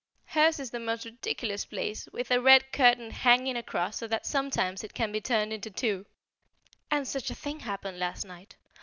Hers is the most ridiculous place, with a red curtain hanging across so that sometimes it can be turned into two; and such a thing happened last night.